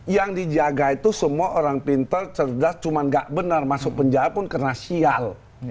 yang dijaga itu semua orang pintar cerdas cuma nggak benar masuk penjara pun kena sial